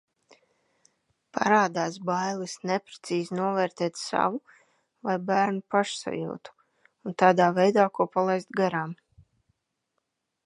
Parādās bailes neprecīzi novērtēt savu vai bērnu pašsajūtu, un tādā veidā ko palaist garām.